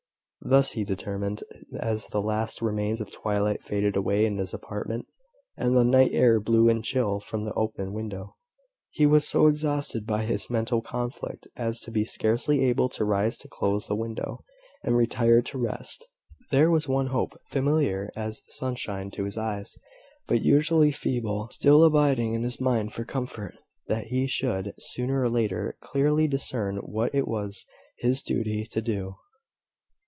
Thus he determined, as the last remains of twilight faded away in his apartment, and the night air blew in chill from the open window. He was so exhausted by his mental conflict as to be scarcely able to rise to close the window, and retire to rest. There was one hope, familiar as the sunshine to his eyes, but unusually feeble, still abiding in his mind for comfort, that he should, sooner or later, clearly discern what it was his duty to do.